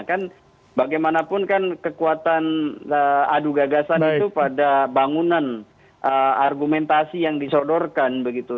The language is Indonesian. kan bagaimanapun kan kekuatan adu gagasan itu pada bangunan argumentasi yang disodorkan begitu